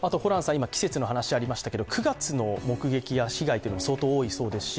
今、季節の話がありましたけど９月の目撃や被害が相当多いそうですし